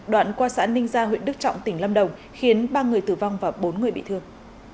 đoạn qua xã ninh gia huyện đức trọng tỉnh lâm đồng khiến ba người tử vong và bốn người bị thương